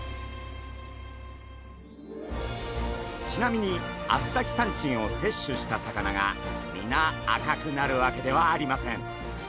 ちなみにアスタキサンチンをせっしゅした魚がみな赤くなるわけではありません。